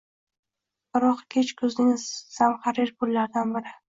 Biroq kech kuzning zamharir kunlaridan biri.